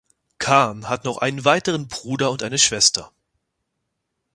Khan hat noch einen weiteren Bruder und eine Schwester.